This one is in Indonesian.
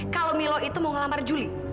kalau milo itu mau ngelambar juli